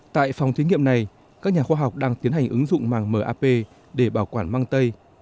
tại phòng thí nghiệm này các nhà khoa học đang tiến hành ứng dụng màng map để bảo quản mang tây